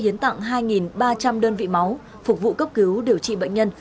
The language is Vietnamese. chiến sĩ công an thủ đô dự kiến sẽ hiến tặng hai ba trăm linh đơn vị máu phục vụ cấp cứu điều trị bệnh nhân